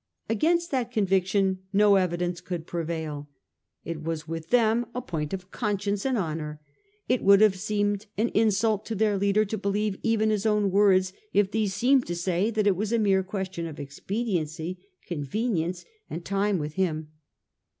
Against that convic tion no evidence could prevail. It was with them a point of conscience and honour ; it would have seemed an insult to their leader to believe even his own words if these seemed to say that it was a mere question of expediency, convenience and time with him.